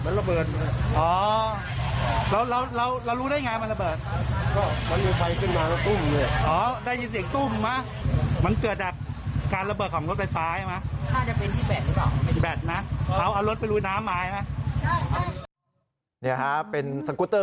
นี่ฮะเป็นสกุตเตอร์